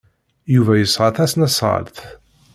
Yuba yesɛa tasnasɣalt.